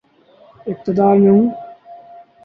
اقتدار میں ہوں۔